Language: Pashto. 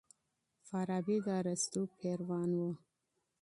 فارابي د ارسطو پیروان و.